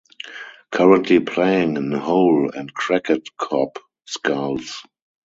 Currently playing in Howl and Cracked Cop Skulls.